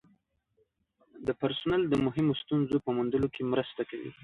د پرسونل د مهمو ستونزو په موندلو کې مرسته کوي.